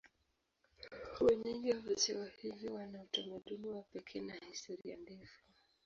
Wenyeji wa visiwa hivi wana utamaduni wa pekee na historia ndefu.